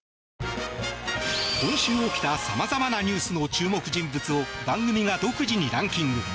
今週起きたさまざまなニュースの注目人物を番組が独自にランキング。